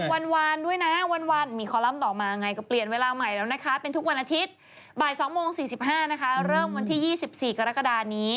วันด้วยนะวันมีคอลัมป์ต่อมาไงก็เปลี่ยนเวลาใหม่แล้วนะคะเป็นทุกวันอาทิตย์บ่าย๒โมง๔๕นะคะเริ่มวันที่๒๔กรกฎานี้